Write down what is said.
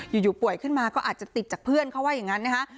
อยู่ป่วยขึ้นมาก็อาจจะติดจากเพื่อนเขาว่าอย่างนั้นนะคะ